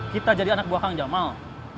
kita jadi anak buah kang jamal